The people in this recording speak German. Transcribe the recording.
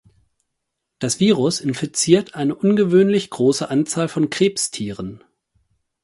Das Virus infiziert eine ungewöhnlich große Anzahl von Krebstieren.